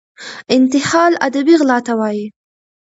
انتحال ادبي غلا ته وايي.